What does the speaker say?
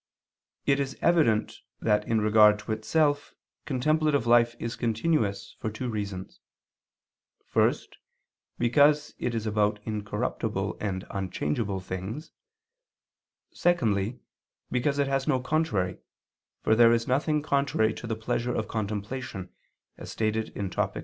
It is evident that in regard to itself contemplative life is continuous for two reasons: first, because it is about incorruptible and unchangeable things; secondly, because it has no contrary, for there is nothing contrary to the pleasure of contemplation, as stated in _Topic.